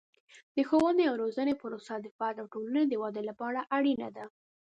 د ښوونې او روزنې پروسه د فرد او ټولنې د ودې لپاره اړینه ده.